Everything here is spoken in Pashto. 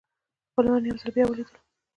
خپلوان یو ځل بیا ولیدل.